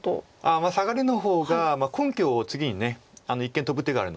サガリの方が根拠を次に一間トブ手があるので。